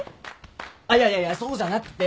あっいやいやいやそうじゃなくて。